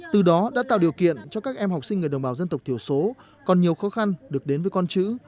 từ đó đã tạo điều kiện cho các em học sinh người đồng bào dân tộc thiểu số còn nhiều khó khăn được đến với con chữ